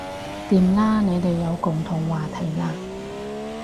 掂啦你哋有共同話題喇